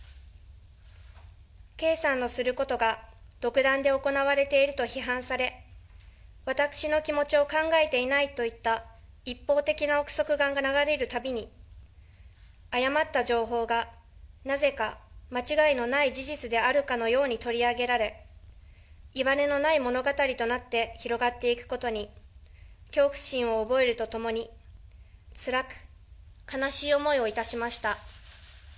圭さんのすることが独断で行われていると批判され、私の気持ちを考えていないといった、一方的な臆測が流れるたびに、誤った情報がなぜか間違いのない事実であるかのように取り上げられ、いわれのない物語となって広がっていくことに、恐怖心を覚えるとともに、つらく、悲しい思いをいたしました。